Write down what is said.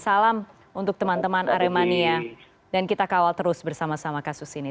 salam untuk teman teman aremania dan kita kawal terus bersama sama kasus ini